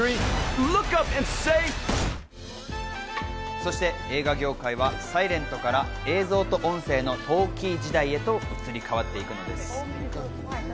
そして映画業界はサイレントから映像と音声のトーキー時代へと移り変わっていくのです。